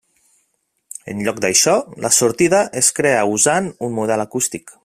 En lloc d'això, la sortida es crea usant un model acústic.